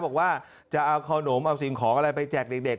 บอกว่าจะเอาขนมเอาสิ่งของอะไรไปแจกเด็ก